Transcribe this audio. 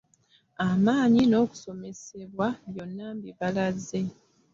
Amaanyi n'okusoomoosebwa byonna mbibalaze.